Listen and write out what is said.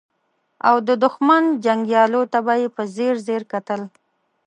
او د دښمن جنګياليو ته به يې په ځير ځير کتل.